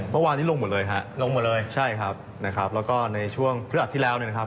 เมื่อวานนี้ลงหมดเลยครับใช่ครับแล้วก็ในช่วงเพื่ออาจที่แล้วนะครับ